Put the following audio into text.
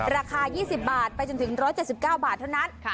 ราคา๒๐บาทไปจนถึง๑๗๙บาทเท่านั้น